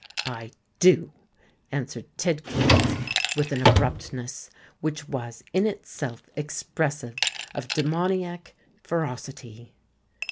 "I do," answered Tidkins, with an abruptness which was in itself expressive of demoniac ferocity.